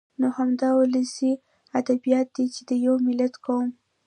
نو همدا ولسي ادبيات دي چې د يوه ملت ، قوم